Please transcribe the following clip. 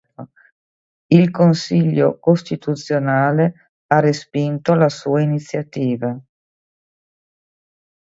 Il Consiglio costituzionale ha respinto la sua iniziativa.